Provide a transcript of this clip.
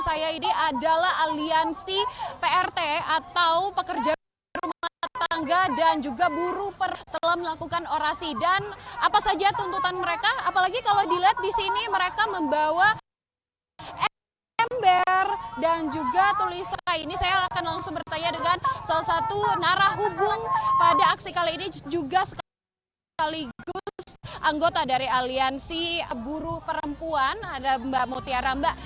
saya akan langsung bertanya dengan salah satu narah hubung pada aksi kali ini juga sekaligus anggota dari aliansi buruh perempuan ada mbak mutiara